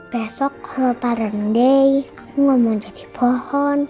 besok kalau parents day aku nggak mau jadi pohon